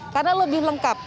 karena lebih lengkap